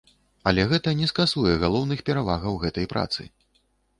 Але гэта не скасуе галоўных перавагаў гэтай працы.